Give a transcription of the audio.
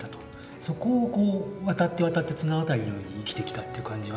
そこをこう渡って渡って綱渡りのように生きてきたという感じはするんですよね。